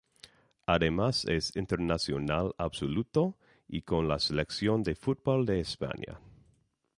Además es internacional absoluto y con la selección de fútbol de España.